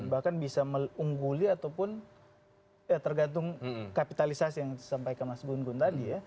bahkan bisa mengungguli ataupun tergantung kapitalisasi yang disampaikan mas gun gun tadi ya